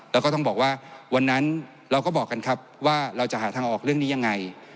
แล้วก็ต้องบอกว่าวันนั้นเราก็บอกกันครับว่าเราจะหาทางออกเรื่องนี้ยังไง